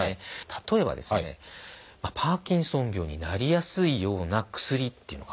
例えばですねパーキンソン病になりやすいような薬っていうのがあるんです。